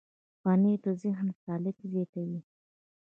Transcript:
پنېر د ذهن فعالیت زیاتوي.